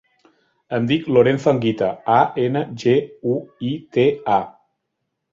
Em dic Lorenzo Anguita: a, ena, ge, u, i, te, a.